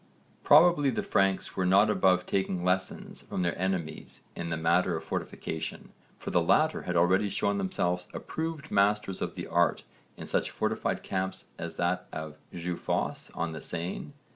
Probably the Franks were not above taking lessons from their enemies in the matter of fortification, for the latter had already shown themselves approved masters of the art in such fortified camps as that at Jeufosse on the Seine.